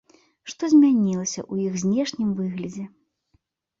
Што змянілася ў іх знешнім выглядзе?